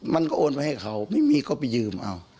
มันก็โอนไปให้เขาไม่มีก็ไปยืมเอา